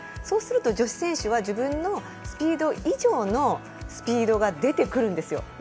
そうすると、女子選手は自分のスピード以上のスピードが出てくるんですよ。